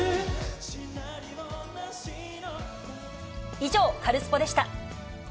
以上、カルスポっ！でした。